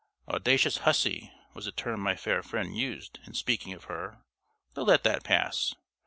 "Audacious hussy" was the term my fair friend used in speaking of her; but let that pass.